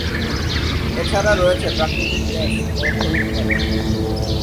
এছাড়া রয়েছে প্রাকৃতিক গ্যাস ও খনিজ বালি।